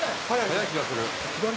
「速い気がする」